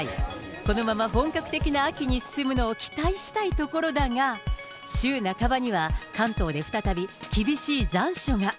このまま本格的な秋に進むのを期待したいところだが、週半ばには、関東で再び厳しい残暑が。